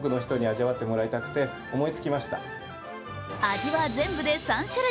味は全部で３種類。